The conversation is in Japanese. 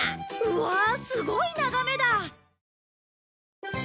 うわあすごい眺めだ！